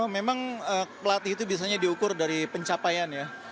memang pelatih itu biasanya diukur dari pencapaian ya